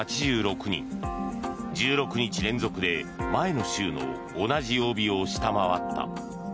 １６日連続で前の週の同じ曜日を下回った。